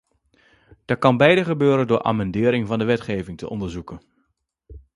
Dat kan beide gebeuren door amendering van wetgeving te onderzoeken.